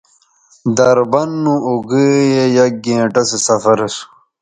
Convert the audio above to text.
دربند نو اوگئ یک گھنٹہ سو سفر اسو